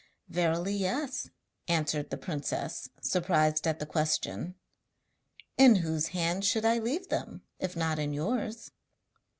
'Verily yes,' answered the princess, surprised at the question. 'In whose hands should I leave them, if not in yours?'